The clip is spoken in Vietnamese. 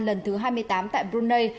lần thứ hai mươi tám tại brunei